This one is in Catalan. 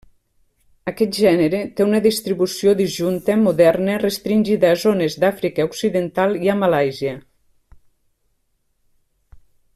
Aquest gènere té una distribució disjunta moderna restringida a zones d'Àfrica occidental i a Malàisia.